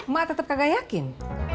mak tetap kagak yakin